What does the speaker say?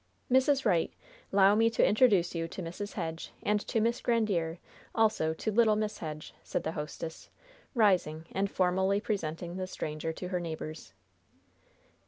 "Mrs. Wright, 'low me to introduce you to Mrs. Hedge, and to Miss Grandiere, also to little Miss Hedge," said the hostess, rising and formally presenting the stranger to her neighbors.